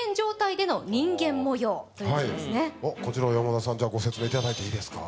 こちらは山田さんご説明いただいていいですか？